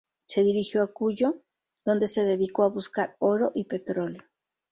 Se dirigió a Cuyo, donde se dedicó a buscar oro y petróleo.